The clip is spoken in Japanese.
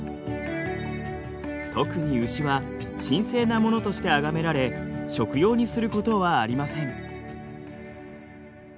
特に牛は神聖なものとしてあがめられ食用にすることはありません。